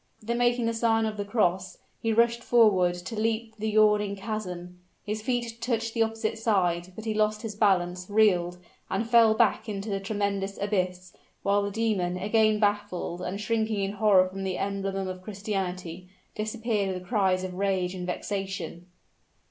Then making the sign of the cross, he rushed forward to leap the yawning chasm; his feet touched the opposite side, but he lost his balance, reeled, and fell back into the tremendous abyss, while the demon, again baffled, and shrinking in horror from the emblem of Christianity, disappeared with cries of rage and vexation.